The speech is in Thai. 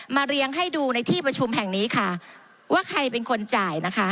เรียงให้ดูในที่ประชุมแห่งนี้ค่ะว่าใครเป็นคนจ่ายนะคะ